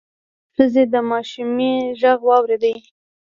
ښځې د ماشومې غږ واورېد: